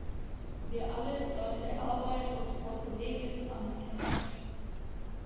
Wir alle zollen der Arbeit unserer Kollegin Anerkennung.